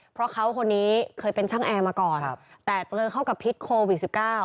เพราะเขาคนนี้เคยเป็นช่างแอร์มาก่อนแต่เจอเข้ากับพิษโควิด๑๙